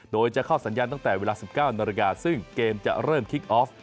โดยจะเข้าสัญญาณตั้งแต่เวลา๑๙นาฬิกาซึ่งเกมจะเริ่มคิกออฟ